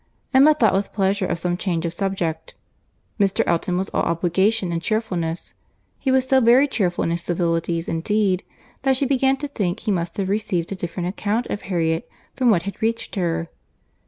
Emma thought with pleasure of some change of subject. Mr. Elton was all obligation and cheerfulness; he was so very cheerful in his civilities indeed, that she began to think he must have received a different account of Harriet from what had reached her.